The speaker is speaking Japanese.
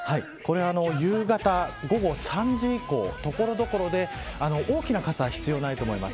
夕方午後３時以降、所々で大きな傘は必要ないと思います。